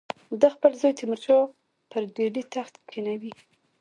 ده خپل زوی تیمورشاه به پر ډهلي تخت کښېنوي.